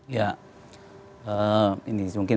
ya ini mungkin